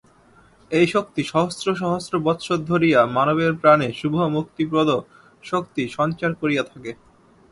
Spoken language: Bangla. এই শক্তি সহস্র সহস্র বৎসর ধরিয়া মানবের প্রাণে শুভ মুক্তিপ্রদ শক্তি সঞ্চার করিয়া থাকে।